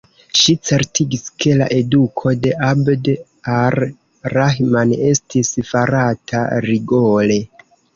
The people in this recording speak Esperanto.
Ŝi certigis ke la eduko de Abd ar-Rahman estis farata rigore.